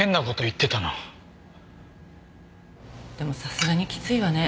でもさすがにきついわね